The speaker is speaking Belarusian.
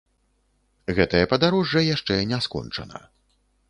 Гэтае падарожжа яшчэ не скончана.